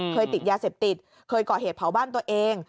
เคยติดยาเสพติดเคยก่อเหตุเผาบ้านตัวเอง